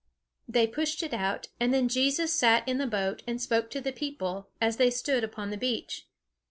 They pushed it out, and then Jesus sat in the boat, and spoke to the people, as they stood upon the beach.